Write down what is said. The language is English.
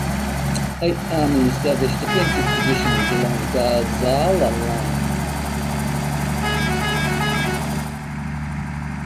Eighth Army established defensive positions along the Gazala Line.